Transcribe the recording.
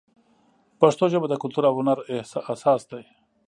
پښتو ژبه د کلتور او هنر اساس دی.